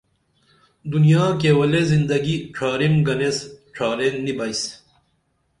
دنیا کیولے زندگی ڇھارِم گنیس ڇھارین نی بئس